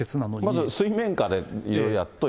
まず水面下でいろいろやっといて。